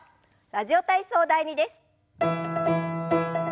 「ラジオ体操第２」です。